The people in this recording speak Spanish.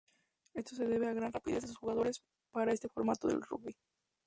Esto se debe a gran rapidez de sus jugadores para este formato del rugby.